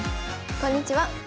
こんにちは。